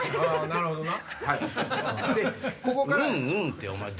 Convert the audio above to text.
なるほどな。